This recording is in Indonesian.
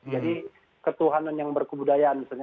jadi ketuhanan yang berkebudayaan misalnya